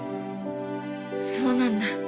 そうなんだ。